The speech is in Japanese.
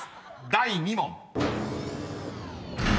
第２問］